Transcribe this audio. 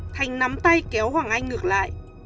thành nắm tay kéo hoàng anh ngược lại